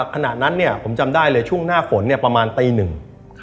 ขณะนั้นผมจำได้เลยช่วงหน้าฝนประมาณตีหนึ่ง